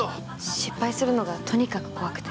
失敗するのがとにかく怖くて。